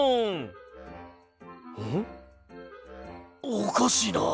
おかしいなあ。